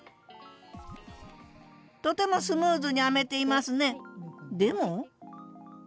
とてもスムーズに編めていますね。